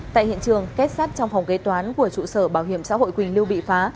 tại hiện trường kết sát trong phòng kế toán của trụ sở bảo hiểm xã hội quỳnh lưu bị phá